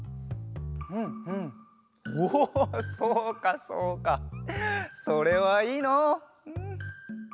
うんうんおおそうかそうかそれはいいのう。